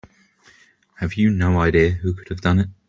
Have you no idea who could have done it?